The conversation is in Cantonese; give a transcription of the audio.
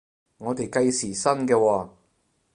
我哋計時薪嘅喎？